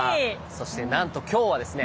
そしてなんと今日はですね